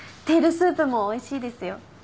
テールスープもおいしいですよ。